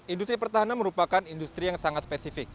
industri pertahanan merupakan industri yang sangat spesifik